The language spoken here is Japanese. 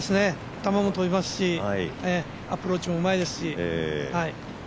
球も飛びますしアプローチもうまいですし。